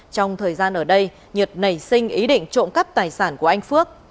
trong thời gian ở đây nhiệt nảy sinh ý định trộm cắp tài sản của anh phước